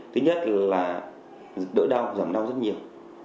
thứ nhất là đỡ đau giảm đau rất nhiều